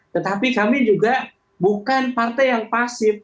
tetapi kami juga bukan partai yang pasif